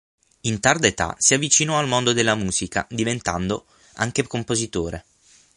In tarda età si avvicinò al mondo della musica, diventando anche compositore.